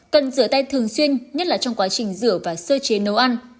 cần rửa tay thường xuyên nhất là trong quá trình rửa và sơ chế nấu ăn